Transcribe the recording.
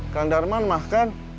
kang darman mah kan